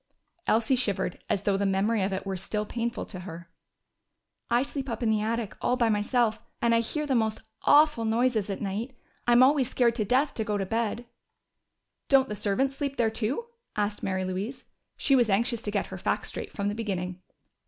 Elsie shivered, as though the memory of it were still painful to her. "I sleep up in the attic, all by myself. And I hear the most awful noises all night. I'm always scared to death to go to bed." "Don't the servants sleep there too?" asked Mary Louise. She was anxious to get her facts straight from the beginning.